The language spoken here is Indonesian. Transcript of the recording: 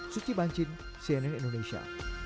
suci bancin cnn indonesia